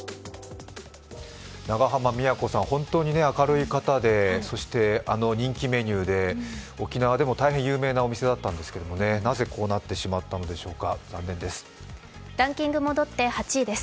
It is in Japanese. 長濱美也子さん、本当に明るい方でそして、あの人気メニューで沖縄でも大変有名なお店だったんですけどもね、なぜこうなってしまったのでしょうか、残念です。